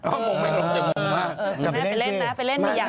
ห้องหมูหลุงจากมุมมาก